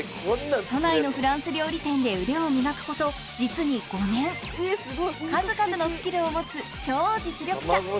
都内のフランス料理店で腕を磨くこと実に５年数々のスキルを持つ超実力者